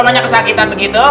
ramanya kesakitan begitu